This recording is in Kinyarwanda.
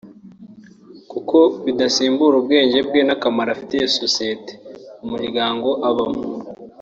kuko idasimbura ubwenge bwe n’akamaro afitiye society (Umuryango abamo)